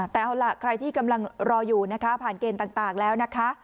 แต่เอาล่ะใครที่กำลังรออยู่นะคะผ่านเกณฑ์ต่างแล้วนะคะ